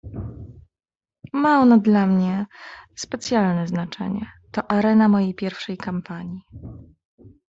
"Ma ona dla mnie specjalne znaczenie: to arena mojej pierwszej kampanii."